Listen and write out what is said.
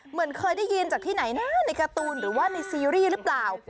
เหมือนเคยได้ยินจากที่ไหนนะในการ์ตูนหรือว่าในซีรีส์หรือเปล่า